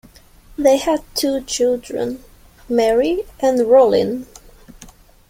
They had two children, Mary and Rollin.